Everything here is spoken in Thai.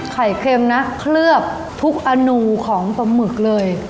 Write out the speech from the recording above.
ไข่เค็มนะเคลือบทุกอาหนูของปะมึกเลย